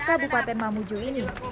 kabupaten mamuju ini